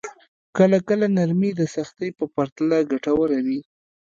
کله کله نرمي د سختۍ په پرتله ګټوره وي.